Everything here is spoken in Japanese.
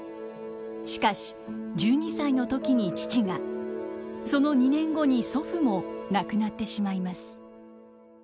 しかし１２歳の時に父がその２年後に祖父も亡くなってしまいます。